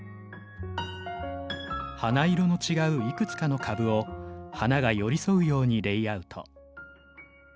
花色の違ういくつかの株を花が寄り添うようにレイアウト。